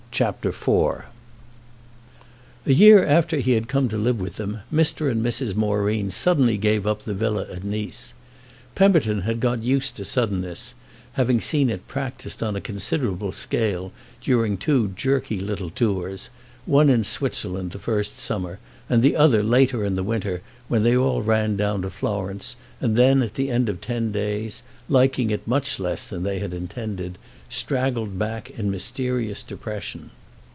CHAPTER IV A year after he had come to live with them Mr. and Mrs. Moreen suddenly gave up the villa at Nice. Pemberton had got used to suddenness, having seen it practised on a considerable scale during two jerky little tours—one in Switzerland the first summer, and the other late in the winter, when they all ran down to Florence and then, at the end of ten days, liking it much less than they had intended, straggled back in mysterious depression.